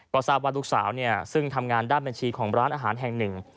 ก็ทราบว่าลูกสาวซึ่งทำงานด้านบัญชีของร้านอาหารแห่งหนึ่ง